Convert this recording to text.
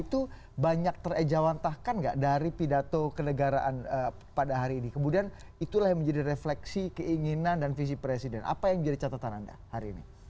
itu banyak terejawantahkan nggak dari pidato kenegaraan pada hari ini kemudian itulah yang menjadi refleksi keinginan dan visi presiden apa yang menjadi catatan anda hari ini